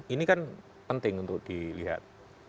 ini kan penting untuk dilihat